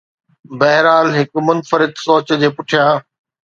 بهرحال، هڪ منفرد سوچ جي پٺيان